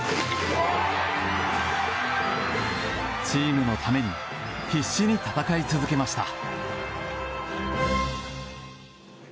チームのために必死に戦い続けました。